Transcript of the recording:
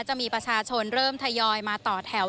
จะมีประชาชนเริ่มทยอยมาต่อแถว